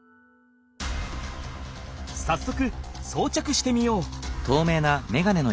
さっそくそうちゃくしてみよう！